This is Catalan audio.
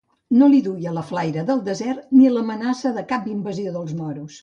No li duia la flaire del desert, ni l'amenaça de cap invasió dels moros.